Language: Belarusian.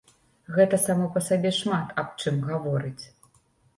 Гэта само па сабе шмат аб чым гаворыць.